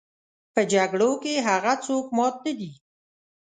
په جګړو کې هغه څوک مات نه دي.